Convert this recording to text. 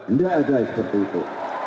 nggak ada seperti itu